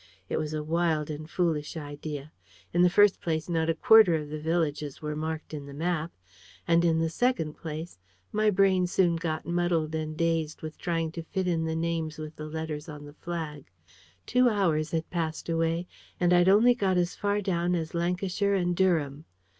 It was a wild and foolish idea. In the first place not a quarter of the villages were marked in the map; and in the second place, my brain soon got muddled and dazed with trying to fit in the names with the letters on the flag. Two hours had passed away, and I'd only got as far down as Lancashire and Durham.